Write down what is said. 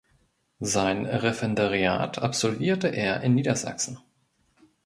Sein Referendariat absolvierte er in Niedersachsen.